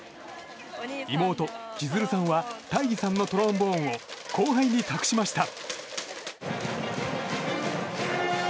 妹・千鶴さんは大義さんのトロンボーンを後輩に託しました。